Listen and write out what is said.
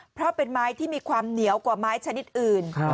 เพราะเป็นไม้ที่มีความเหนียวกว่าไม้ชนิดอื่น